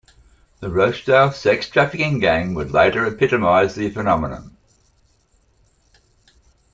The Rochdale sex trafficking gang would later epitomise the phenomenon.